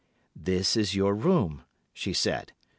"'There is your room,' she said.